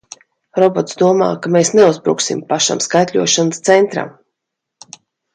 Robots domā, ka mēs neuzbruksim pašam skaitļošanas centram!